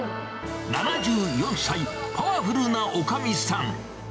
７４歳、パワフルなおかみさん。